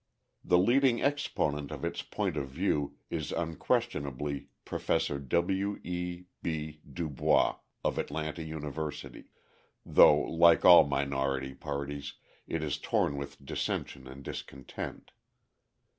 The leading exponent of its point of view is unquestionably Professor W. E. B. Du Bois of Atlanta University though, like all minority parties, it is torn with dissension and discontent.